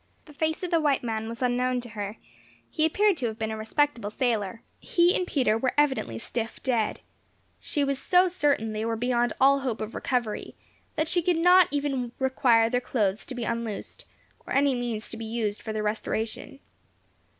The face of the white man was unknown to her, he appeared to have been a respectable sailor. He and Peter were evidently stiff dead. She was so certain they were beyond all hope of recovery, that she did not even require their clothes to be unloosed, or any means to be used for their restoration.